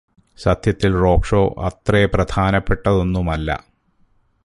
സത്യത്തിൽ റോക്ക്ഷോ അത്രേ പ്രധാനപെട്ടതൊന്നുമല്ലാ